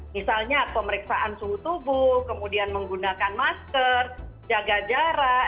misalnya pemeriksaan suhu tubuh kemudian menggunakan masker jaga jarak